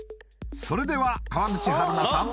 それでは川口春奈さん